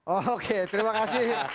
oke terima kasih